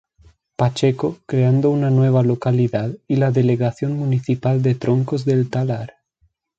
Pacheco, creando una nueva localidad y la Delegación Municipal de Troncos del Talar.